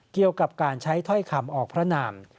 เกี่ยวกับการใช้ถ้อยคำออกพระนาม